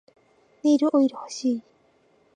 ネイルオイル欲しい